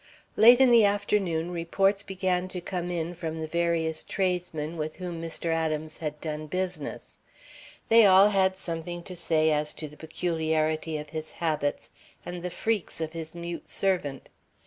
Late in the afternoon reports began to come in from the various tradesmen with whom Mr. Adams had done business. They all had something to say as to the peculiarity of his habits and the freaks of his mute servant.